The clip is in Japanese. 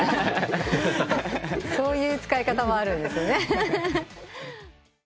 そういう使い方もあるんですね。